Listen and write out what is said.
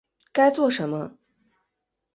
该做什么